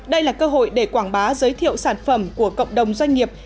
đây là cơ hội để quảng bá giới thiệu sản phẩm của cộng đồng doanh nghiệp